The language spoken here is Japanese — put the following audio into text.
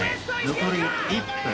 残り１分。